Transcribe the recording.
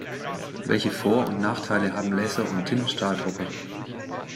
Welche Vor- und Nachteile haben Laser- und Tintenstrahldrucker?